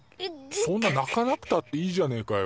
そんな泣かなくたっていいじゃねえかよ。